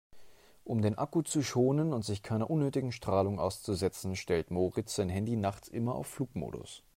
Um den Akku zu schonen und sich keiner unnötigen Strahlung auszusetzen, stellt Moritz sein Handy nachts immer auf Flugmodus.